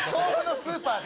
スーパーで？